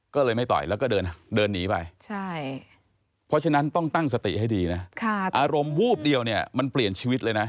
ก็เลยไม่ต่อยแล้วก็เดินหนีไปเพราะฉะนั้นต้องตั้งสติให้ดีนะอารมณ์วูบเดียวเนี่ยมันเปลี่ยนชีวิตเลยนะ